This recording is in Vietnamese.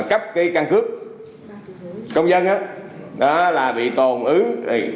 cấp cái căn cứ công dân đó là bị tồn ứng